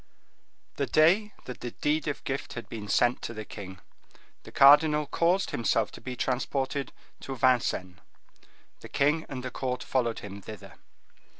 The day that the deed of gift had been sent to the king, the cardinal caused himself to be transported to Vincennes. The king and the court followed him thither.